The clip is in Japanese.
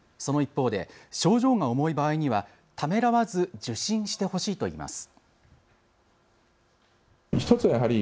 その一方で症状が重い場合にはためらわず受診してほしいといいます。